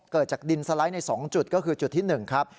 เกิดจากดินสไลด์ใน๒จุดก็คือจุดที่๑ครับ